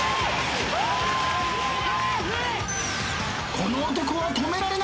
この男は止められない！